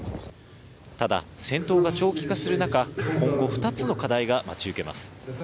ただ、戦闘が長期化する中、今後、２つの課題が待ち受けます。